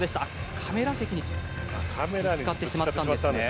カメラ席にぶつかってしまったんですね。